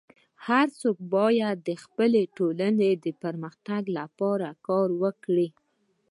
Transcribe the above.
هر څوک باید د خپلي ټولني د پرمختګ لپاره کار وکړي.